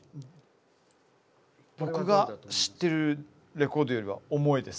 僕が知ってるレコードよりは重いです。